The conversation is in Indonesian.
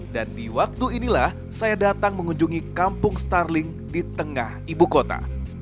dan di waktu inilah saya datang mengunjungi kampung starling di tengah ibu kota